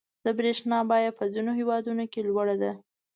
• د برېښنا بیه په ځینو هېوادونو کې لوړه ده.